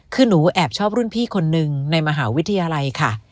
คือหนูแอบชอบรุ่นพี่คนนึงในมหาวิทยาลัยค่ะ